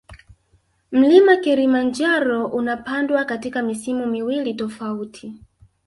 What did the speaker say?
Mlima kilimanjaro unapandwa katika misimu miwili tofauti